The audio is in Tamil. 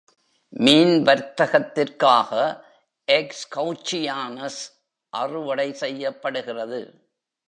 மீன் வர்த்தகத்திற்காக "X. couchianus" அறுவடை செய்யப்படுகிறது.